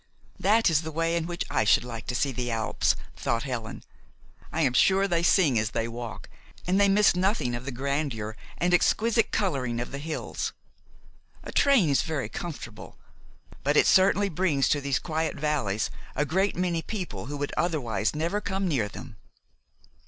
"That is the way in which I should like to see the Alps," thought Helen. "I am sure they sing as they walk, and they miss nothing of the grandeur and exquisite coloring of the hills. A train is very comfortable; but it certainly brings to these quiet valleys a great many people who would otherwise never come near them."